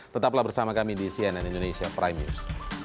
tetaplah bersama kami di cnn indonesia prime news